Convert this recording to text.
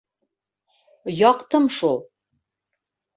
— Яҡтым шул.